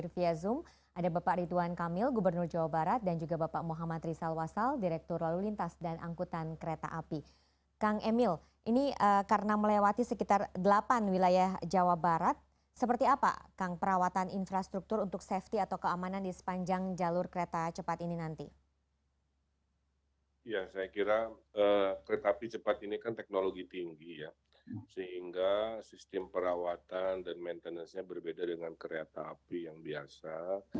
kereta cepat ini kan teknologi tinggi ya sehingga sistem perawatan dan maintenance nya berbeda dengan kereta api yang biasa